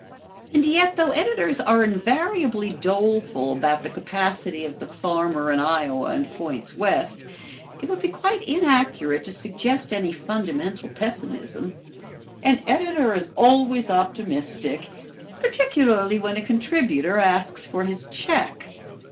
And yet though editors are invariably doleful about the capacity of the farmer in Iowa and points west, it would be quite inaccurate to suggest any fundamental pessimism. An editor is always optimistic, particularly when a contributor asks for his check.